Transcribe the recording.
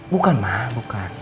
bukan ma bukan